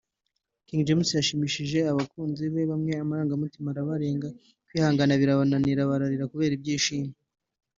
King James yashimishije abakunzi be bamwe amarangamutima arabarenga kwihangana birabananira bararira kubera ibyishimo